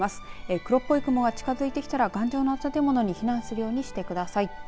黒っぽい雲が近づいてきたら頑丈な建物に避難してください。